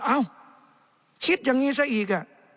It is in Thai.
เอ้าคิดอย่างนี้ซะอีก